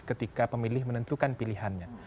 ketika pemilih menentukan pilihannya